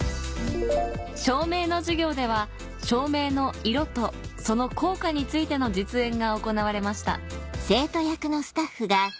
照明の授業では照明の色とその効果についての実演が行われました